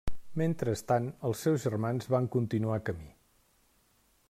Mentrestant els seus germans van continuar camí.